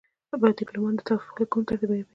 ډيپلومات د توافق لیکونه ترتیبوي.